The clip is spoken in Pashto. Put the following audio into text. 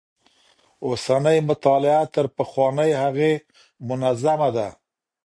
اوسنۍ مطالعه تر پخوانۍ هغې منظمه ده.